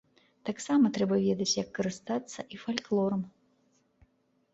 Таксама трэба ведаць, як карыстацца і фальклорам.